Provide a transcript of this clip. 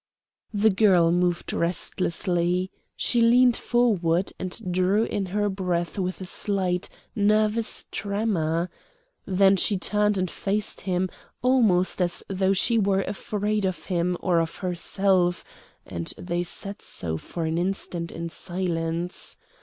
The girl moved restlessly; she leaned forward, and drew in her breath with a slight, nervous tremor. Then she turned and faced him, almost as though she were afraid of him or of herself, and they sat so for an instant in silence.